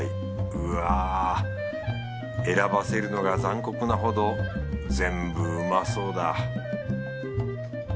うわ選ばせるのが残酷なほど全部うまそうだ